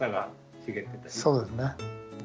そうですね。